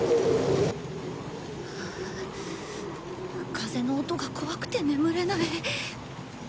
風の音が怖くて眠れない。